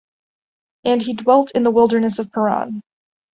And he dwelt in the wilderness of Paran.